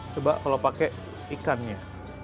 coba kalau pakai ikannya